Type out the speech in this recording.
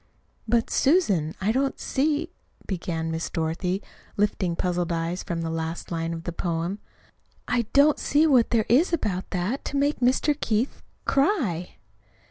"But, Susan, I don't see," began Miss Dorothy, lifting puzzled eyes from the last line of the poem, "I don't see what there is about that to make Mr. Keith cry."